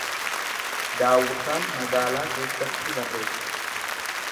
Daawwataan magaalaa keessatti barreessa.